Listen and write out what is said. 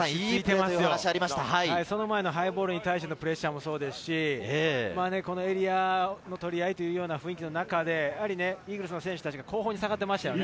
その前のハイボールに対してのプレッシャーもそうですし、エリアの取り合いという雰囲気の中で、イーグルスの選手たちが後方に下がっていました。